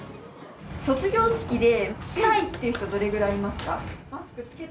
卒業式でしたいっていう人、どれぐらいいますか。